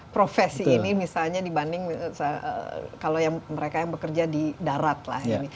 profesi ini misalnya dibanding kalau yang mereka yang bekerja di darat lah ini